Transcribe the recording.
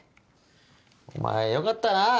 お前よかったなぁ。